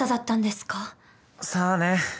さあね。